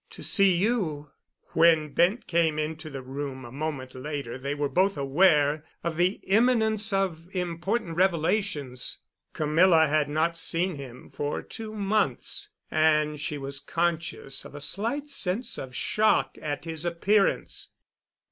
"To see you——" When Bent came into the room a moment later they were both aware of the imminence of important revelations. Camilla had not seen him for two months, and she was conscious of a slight sense of shock at his appearance.